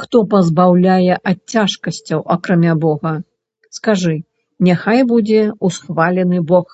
Хто пазбаўляе ад цяжкасцяў, акрамя Бога? Скажы: няхай будзе ўсхвалены Бог!